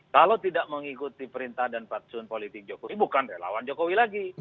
kalau tidak mengikuti perintah dan fatsun politik jokowi bukan relawan jokowi lagi